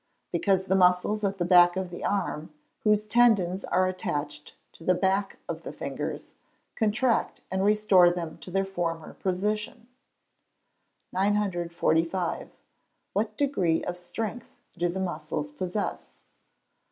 _ Because the muscles at the back of the arm, whose tendons are attached to the back of the fingers, contract and restore them to their former position. 945. _What degree of strength do the muscles possess?